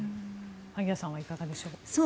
萩谷さんはいかがでしょう。